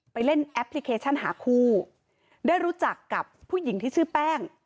เล่นแอปพลิเคชันหาคู่ได้รู้จักกับผู้หญิงที่ชื่อแป้ง